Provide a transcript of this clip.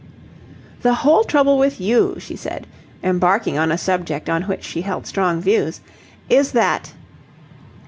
"The whole trouble with you," she said, embarking on a subject on which she held strong views, "is that..."